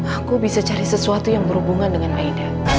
aku bisa cari sesuatu yang berhubungan dengan aida